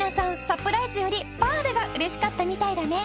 サプライズよりパールが嬉しかったみたいだね。